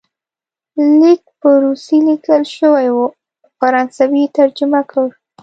لیک په روسي لیکل شوی وو او په فرانسوي یې ترجمه کړ.